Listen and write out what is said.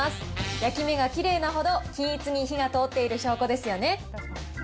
焼き目がきれいなほど、均一に火が通っている証拠ですよね。